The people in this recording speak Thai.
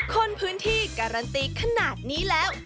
คนพื้นที่การันตีขนาดนี้แล้ว